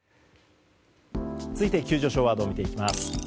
続いて急上昇ワードを見ていきます。